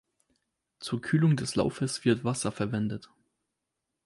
Zur Kühlung des Laufes wird Wasser verwendet.